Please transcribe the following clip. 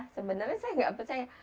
sebenarnya saya tidak percaya